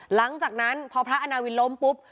หลังจากนั้นพอพระอาณาวินล้มปุ๊บ